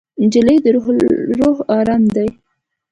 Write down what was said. نجلۍ د روح ارام ده.